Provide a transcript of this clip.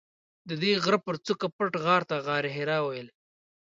ددې غره پر څوکه پټ غار ته غارحرا ویل.